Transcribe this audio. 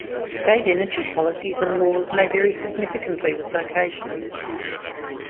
State energy policies and laws may vary significantly with location.